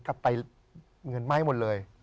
ก็ไปเงินหม้ายหมดเลย